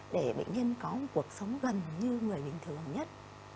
để bệnh nhân có một cuộc sống gần như người bình thường nhất